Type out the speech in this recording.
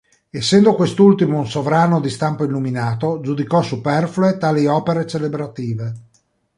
Essendo quest'ultimo un sovrano di stampo illuminato, giudicò superflue tali opere celebrative.